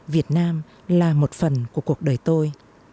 việt nam là một phần của cuộc đời tôi